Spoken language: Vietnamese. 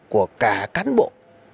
của cả cán bộ